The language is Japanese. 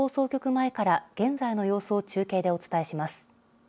前から現在の様子を中継でお伝えします。